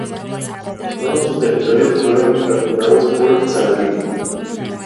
Todos sus territorios fueron capturados por Saladino.